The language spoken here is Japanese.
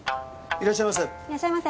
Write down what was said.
いらっしゃいませ。